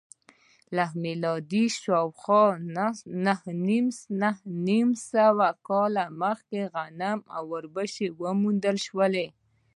له میلاده شاوخوا نهه نیم سوه کاله مخکې غنم او اوربشې وموندل شول